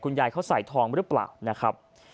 ยายเขาใส่ทองหรือเปล่านะครับ